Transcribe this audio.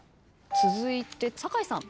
続いて酒井さん。